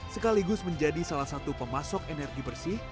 sekaligus menjadi salah satu pemasok energi bersih